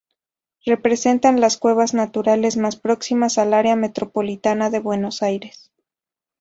Representan las cuevas naturales más próximas al área metropolitana de Buenos Aires.